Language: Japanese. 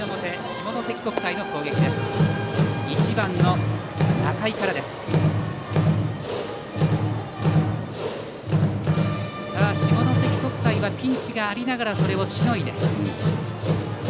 下関国際はピンチがありながらそれをしのいで。